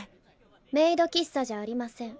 メイド喫茶じゃありません。